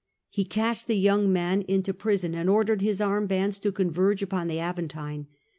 He cast tlie yoting man into prison, and ordered bis armed bands to converge upon the Aventine.